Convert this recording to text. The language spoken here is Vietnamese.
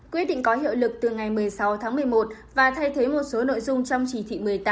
quyết định có hiệu lực từ ngày một mươi sáu tháng một mươi một và thay thế một số nội dung trong chỉ thị một mươi tám